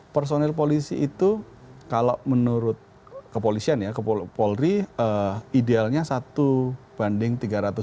personil polisi itu kalau menurut kepolisian ya polri idealnya satu banding tiga ratus tiga puluh